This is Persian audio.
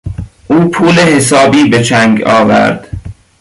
او پول حسابی به چنگ آورد.